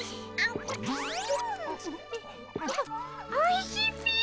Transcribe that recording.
おいしいっピィ。